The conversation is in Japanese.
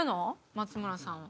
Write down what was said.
松村さんは。